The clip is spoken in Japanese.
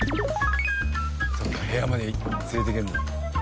そっか部屋まで連れて行けるの？